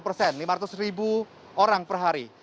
lima ratus ribu orang per hari